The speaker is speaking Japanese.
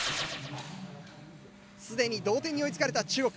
すでに同点に追いつかれた中国。